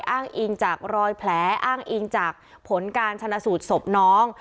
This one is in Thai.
อ้างอิงจากรอยแผลอ้างอิงจากผลการชนะสูตรศพน้อง